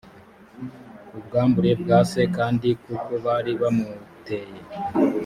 ubwambure bwa se kandi kuko bari bamuteye